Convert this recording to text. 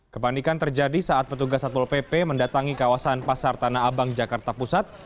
kepanikan terjadi saat petugas satpol pp mendatangi kawasan pasar tanah abang jakarta pusat